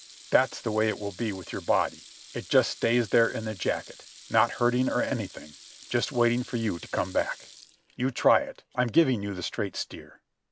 That's the way it will be with your body. It just stays there in the jacket, not hurting or anything, just waiting for you to come back. "You try it. I am giving you the straight steer."